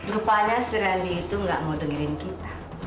rupanya si randy itu nggak mau dengerin kita